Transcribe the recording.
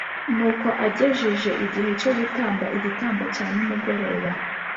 Nuko agejeje igihe cyo gutamba igitambo cya nimugoroba